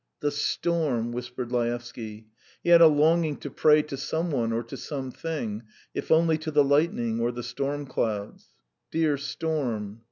"The storm!" whispered Laevsky; he had a longing to pray to some one or to something, if only to the lightning or the storm clouds. "Dear storm!"